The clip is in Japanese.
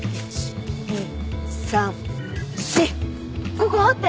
ここ掘って！